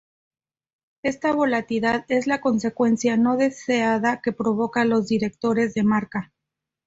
Esta volatilidad es la consecuencia no deseada que provocan los directores de marca.